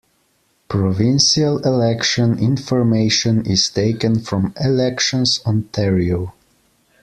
Provincial election information is taken from Elections Ontario.